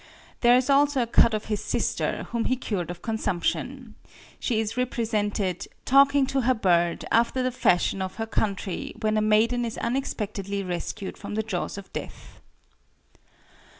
There is also a cut of his sister, whom he cured of consumption. She is represented "talking to her bird, after the fashion of her country, when a maiden is unexpectedly rescued from the jaws of death!"